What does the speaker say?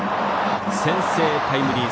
先制タイムリー